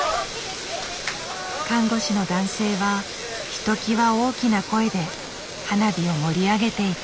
看護師の男性はひときわ大きな声で花火を盛り上げていた。